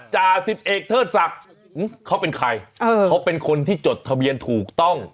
จ่าสิบเอกเทิดศักดิ์เขาเป็นใครเขาเป็นคนที่จดทะเบียนถูกต้อง